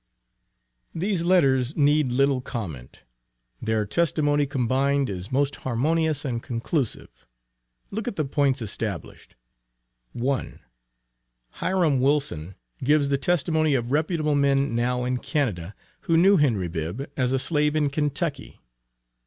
These letters need little comment. Their testimony combined is most harmonious and conclusive. Look at the points established. 1. Hiram Wilson gives the testimony of reputable men now in Canada, who knew Henry Bibb as a slave in Kentucky.